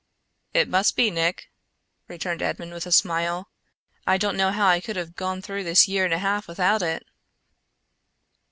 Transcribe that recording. "It must be, Nick," returned Edmond with a smile. "I don't know how I could have gone through this year and a half without it."